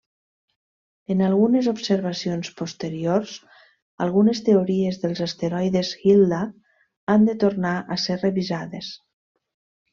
En algunes observacions posteriors algunes teories dels asteroides Hilda han de tornar a ser revisades.